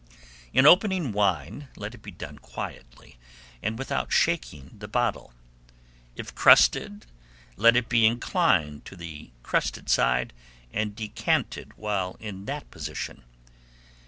In opening wine, let it be done quietly, and without shaking the bottle; if crusted, let it be inclined to the crusted side, and decanted while in that position.